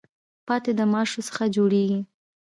پاتی د ماشو څخه جوړیږي.